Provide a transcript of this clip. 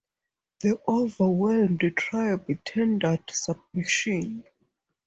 The overwhelmed tribe tendered submission.